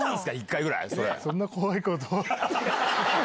１回そんな怖いことは。